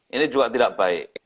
ini juga tidak baik